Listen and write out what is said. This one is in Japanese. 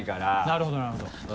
なるほどなるほど。